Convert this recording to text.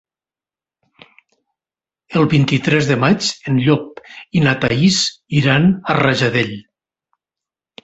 El vint-i-tres de maig en Llop i na Thaís iran a Rajadell.